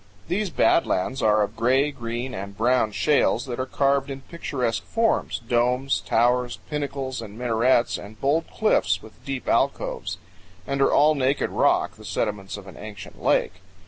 These bad lands are of gray, green, and brown shales that are carved in picturesque forms domes, towers, pinnacles, and minarets, and bold cliffs with deep alcoves; and all are naked rock, the sediments of an ancient lake.